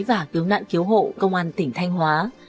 và cứu nạn cứu hộ công an tỉnh thanh hóa